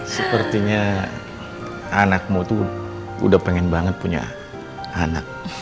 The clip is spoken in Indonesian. sepertinya anakmu tuh udah pengen banget punya anak